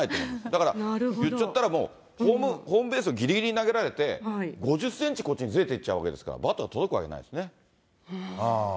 だから言っちゃったらもう、ホームベースぎりぎりに投げられて、５０センチこっちにずれていっちゃうわけですから、バットが届くわけないですね。